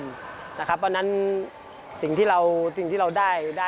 เพราะฉะนั้นสิ่งที่เราได้